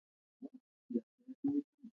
بادام د افغانستان د پوهنې نصاب کې شامل دي.